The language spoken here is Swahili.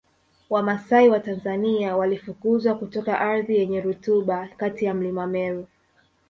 Wamasai wa Tanzania walifukuzwa kutoka ardhi yenye rutuba kati ya Mlima Meru